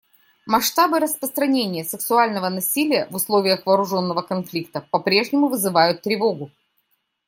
Масштабы распространения сексуального насилия в условиях вооруженного конфликта попрежнему вызывают тревогу.